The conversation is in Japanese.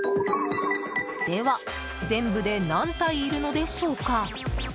では全部で何体いるのでしょうか。